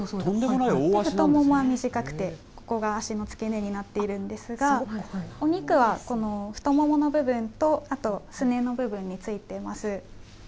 太ももは短くて、ここが足の付け根になっているんですが、お肉は太ももの部分と、あとすねの部分についています。